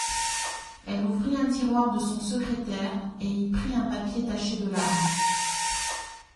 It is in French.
Elle ouvrit un tiroir de son secrétaire et y prit un papier taché de larmes.